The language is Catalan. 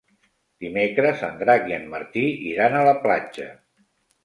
Dimecres en Drac i en Martí iran a la platja.